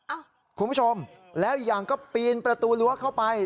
อ้าวคุณผู้ชมแล้วยังก็ปีนประตูรั้วเข้าไป